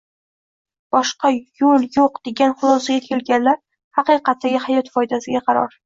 boshqa yo‘l yo‘q degan xulosaga kelganlar “haqiqatdagi hayot” foydasiga qaror